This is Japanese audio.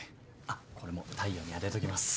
あっこれも太陽に当てときます。